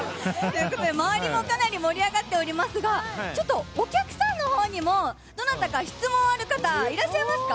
周りもかなり盛り上がっておりますが、お客さんの方にもどなたか質問ある方、いらっしゃいますか？